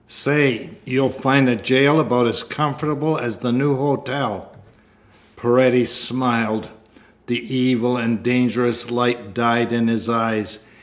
Say, you'll find the jail about as comfortable as the New Hotel." Paredes smiled. The evil and dangerous light died in his eyes.